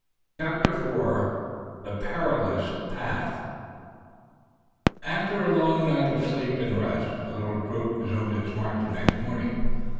CHAPTER IV THE PERILOUS PATH After a long night of sleep and rest, the little troop resumed its march the next morning.